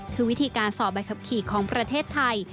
คือวิธีการสอบใบขับขี่ของประเทศไทย